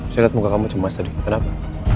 saya lihat muka kamu cemas tadi ada apa